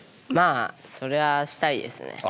まあそれはしたいですね。